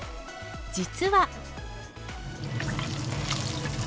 実は。